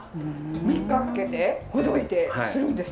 ３日かけてほどいてするんですか？